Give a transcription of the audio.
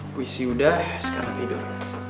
puisi udah sekarang tidur